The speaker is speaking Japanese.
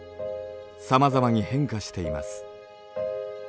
さまざまに変化しています。